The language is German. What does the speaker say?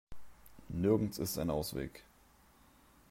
Nirgends ist ein Ausweg.